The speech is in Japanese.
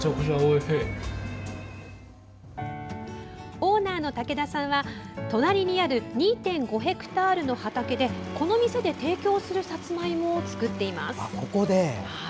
オーナーの武田さんは隣にある２．５ヘクタールの畑でこの店で提供するさつまいもを作っています。